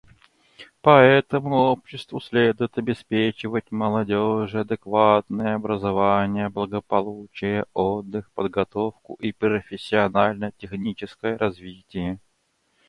Поэтому обществу следует обеспечивать молодежи адекватные образование, благополучие, отдых, подготовку и профессионально-техническое развитие.